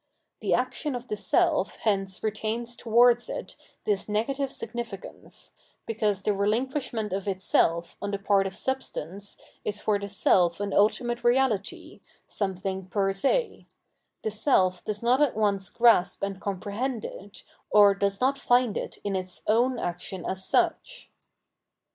The action of the self hence retains towards it this negative significance, because the relinquishment of itself on the part of substance is for the self an ultimate reality, something fer se; the self does not at once grasp and comprehend it, or does not find it in its own action as such.